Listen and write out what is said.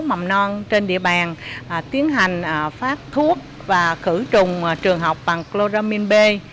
mầm non trên địa bàn tiến hành phát thuốc và khử trùng trường học bằng chloramin b